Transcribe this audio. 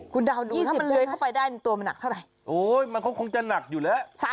คุณเดาดูถ้ามันเลื้อยเข้าไปได้ตัวมันหนักเท่าไหร่โอ้ยมันก็คงจะหนักอยู่แล้ว